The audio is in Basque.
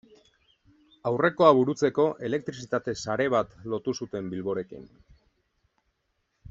Aurrekoa burutzeko elektrizitate sare bat lotu zuten Bilborekin.